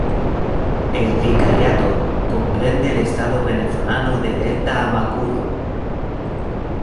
El vicariato comprende el estado venezolano de Delta Amacuro.